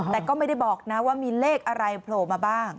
แต่ก็ไม่ได้บอกนะว่ามีเลขอะไรโผล่มาบ้าง